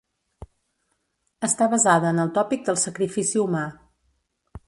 Està basada en el tòpic del sacrifici humà.